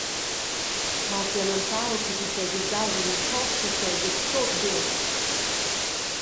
Has lamentau che ti seigies daus en in foss e seigies tut bletschs.